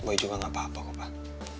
boy juga gak apa apa kok pak